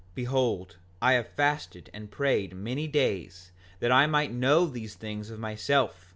Behold, I have fasted and prayed many days that I might know these things of myself.